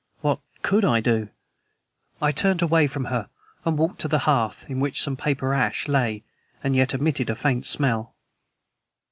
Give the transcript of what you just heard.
What COULD I do? I turned away from her and walked to the hearth, in which some paper ash lay and yet emitted a faint smell.